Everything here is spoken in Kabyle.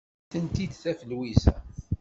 Ad tent-id-taf Lwiza.